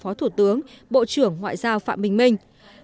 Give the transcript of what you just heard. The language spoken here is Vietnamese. phó thủ tướng bộ trưởng ngoại giao phạm bình minh